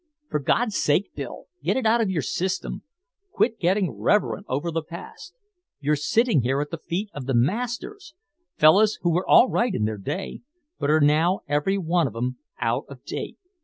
For God's sake, Bill, get it out of your system, quit getting reverent over the past. You're sitting here at the feet of the Masters, fellahs who were all right in their day, but are now every one of 'em out of date.